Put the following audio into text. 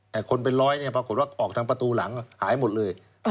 แต่คนเป็นร้อยเนี่ยปรากฏว่าออกทางประตูหลังหายหมดเลย